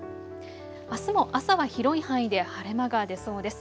あすも朝は広い範囲で晴れ間が出そうです。